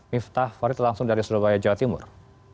miftah farid langsung dari surabaya jawa timur